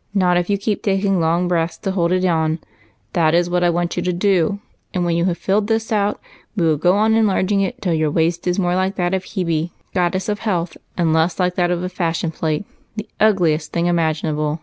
" Not if you keep taking long breaths to hold it on. That is what I want you to do, and when you have filled this out we will go on enlarging it till your waist is more like that of Hebe, goddess of health, and less like that of a fashion plate, — the ugliest thing imagi nable."